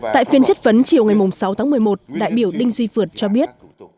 tại phiên chất vấn chiều ngày sáu tháng một mươi một đại biểu đinh duy phượt cho biết